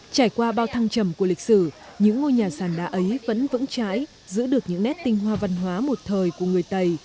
trải qua bao thăng trầm của lịch sử những ngôi nhà sàn đá ấy vẫn vững trái giữ được những nét tinh hoa văn hóa một thời của người tây